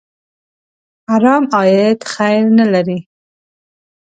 حرام عاید خیر نه لري.